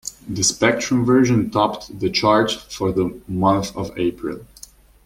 The Spectrum version topped the charts for the month of April.